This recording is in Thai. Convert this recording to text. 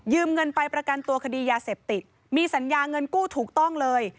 เงินไปประกันตัวคดียาเสพติดมีสัญญาเงินกู้ถูกต้องเลย